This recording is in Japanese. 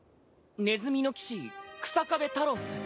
ネズミの騎士日下部太朗っす。